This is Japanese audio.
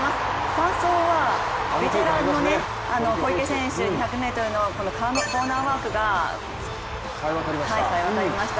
３走はベテランの小池選手、２００ｍのコーナーワークがさえ渡りました。